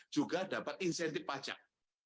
juga dapat insentif pajak